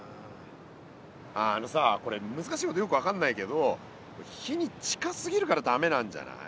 あのさこれ難しいことよく分かんないけど火に近すぎるから駄目なんじゃない？